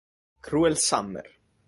Cruel Summer